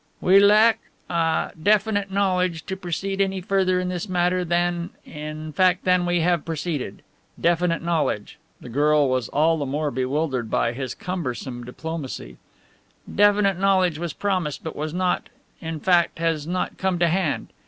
"We lack ah definite knowledge to proceed any further in this matter than in fact, than we have proceeded. Definite knowledge" (the girl was all the more bewildered by his cumbersome diplomacy) "definite knowledge was promised but has not in fact, has not come to hand.